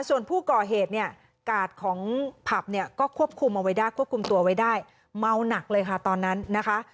ส่วนผู้ก่อเหตุเนี่ยกาดของผับเนี่ยก็ควบคุมเอาไว้ได้ควบคุมตัวไว้ได้เมาหนักเลยค่ะตอนนั้นนะคะ